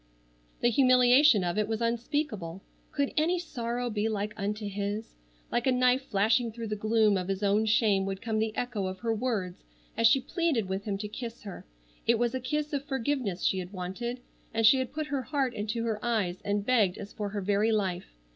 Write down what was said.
The humiliation of it was unspeakable. Could any sorrow be like unto his? Like a knife flashing through the gloom of his own shame would come the echo of her words as she pleaded with him to kiss her. It was a kiss of forgiveness she had wanted, and she had put her heart into her eyes and begged as for her very life.